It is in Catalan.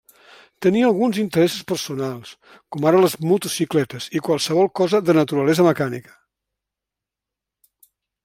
Tenia alguns interessos personals, com ara les motocicletes i qualsevol cosa de naturalesa mecànica.